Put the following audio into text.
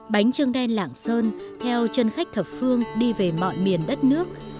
bánh trưng đen lạng sơn theo chân khách thập phương đi về mọi miền đất nước